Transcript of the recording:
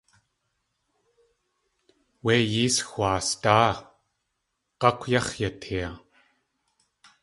Wé yées xwaasdáa g̲ákw yáx̲ yatee.